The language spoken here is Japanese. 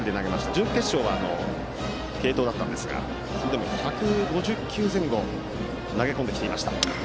準決勝は継投でしたがそれでも１５０球前後投げ込んできました。